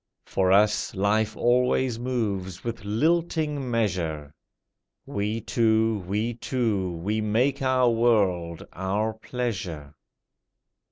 For us life always moves with lilting measure; We two, we two, we make our world, our pleasure.